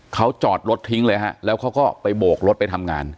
เขาจอดรถทิ้งเลยฮะแล้วเขาก็ไปโบกรถไปทำงาน